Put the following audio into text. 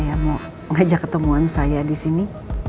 saya mau ngajak ketemuan saya di sini